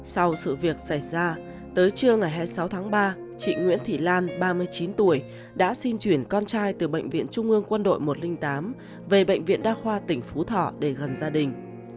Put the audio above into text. sau sự việc xảy ra tới trưa ngày hai mươi sáu tháng ba chị nguyễn thị lan ba mươi chín tuổi đã xin chuyển con trai từ bệnh viện trung ương quân đội một trăm linh tám về bệnh viện đa khoa tỉnh phú thọ để gần gia đình